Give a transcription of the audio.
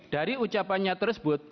dari ucapannya tersebut